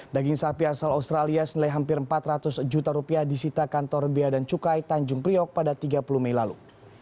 daging sapi asal australia senilai hampir empat ratus juta rupiah disita kantor bea dan cukai tanjung priok pada tiga puluh mei lalu